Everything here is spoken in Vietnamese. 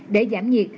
để giảm nhiệt